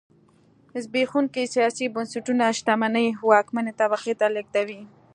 زبېښونکي سیاسي بنسټونه شتمنۍ واکمنې طبقې ته لېږدوي.